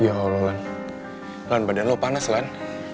ya allah lan lan badan lo panas lan